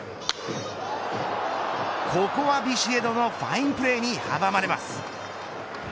ここはビシエドのファインプレーに阻まれます。